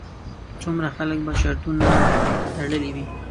څومره خلکو به شرطونه تړلې وي.